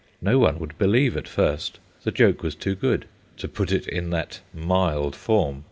No one would believe at first; the joke was too good to put it in that mild form.